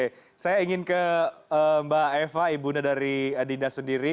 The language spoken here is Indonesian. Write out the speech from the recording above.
oke saya ingin ke mbak eva ibunda dari dinda sendiri